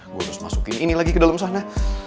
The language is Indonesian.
gue harus masukin ini lagi ke dalam sana